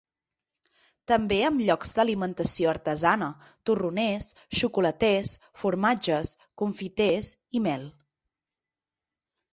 També amb llocs d’alimentació artesana: torroners, xocolaters, formatges, confiters i mel.